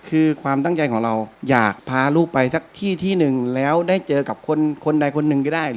คือความตั้งใจของเราอยากพาลูกไปสักที่ที่หนึ่งแล้วได้เจอกับคนใดคนหนึ่งก็ได้